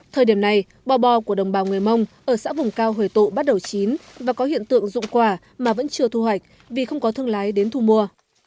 thời điểm này bò bò của đồng bào người mông ở xã vùng cao huế tụ bắt đầu chín và có hiện tượng dụng quả mà vẫn chưa thu hoạch vì không có thương lái đến thu mua